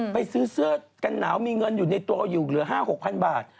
ไปซื้อเสื้อกันหนาวมีเงินอยู่ในตัวอยู่เหลือ๕๖๐๐บาท